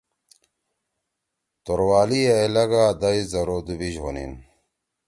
توروالیے اے لکھ آں دش زر او دُوبیِش ہونیِن۔